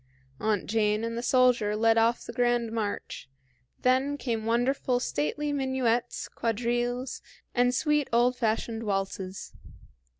Aunt Jane and the soldier led off the grand march; then came wonderful, stately minuets, quadrilles, and sweet old fashioned waltzes.